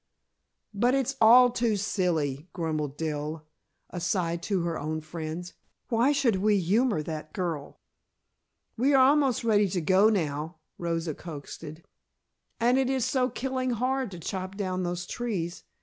"But it's all too silly," grumbled Dell aside to her own friends. "Why should we humor that girl?" "We are almost ready to go now," Rosa coaxed. "And it is so killing hard to chop down those trees.